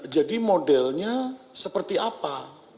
jadi modelnya seperti apa